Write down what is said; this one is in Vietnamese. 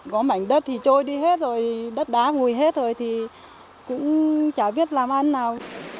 có mảnh đất thì trôi đi hết rồi đất đá ngùi hết rồi thì cũng chả biết làm ăn nào